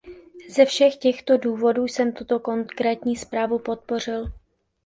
Ze všech těchto důvodů jsem tuto konkrétní zprávu podpořil.